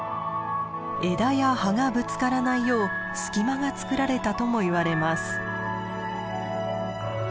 枝や葉がぶつからないよう隙間がつくられたともいわれます。